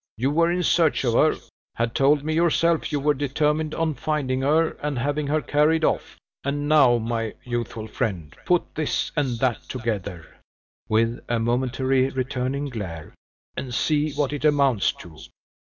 You were in search of her had told me yourself you were determined on finding her, and having her carried off; and now, my youthful friend, put this and that together," with a momentary returning glare, "and see what it amounts to!"